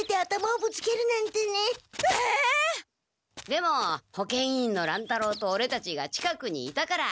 でも保健委員の乱太郎とオレたちが近くにいたから。